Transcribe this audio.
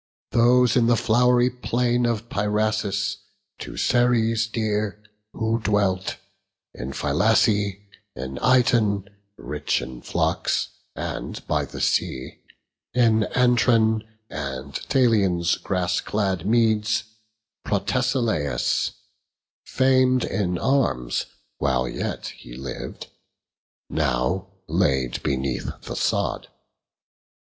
Those in the flow'ry plain of Pyrrhasus, To Ceres dear, who dwelt; in Phylace, In Iton, rich in flocks, and, by the sea, In Antron, and in Pteleon's grass clad meads; These led Protesilaus, famed in arms, While yet he liv'd; now laid beneath the sod.